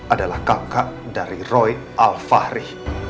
adalah kakak dari roy alfahri